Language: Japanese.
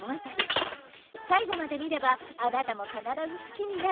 最後まで見ればあなたも必ず好きになる！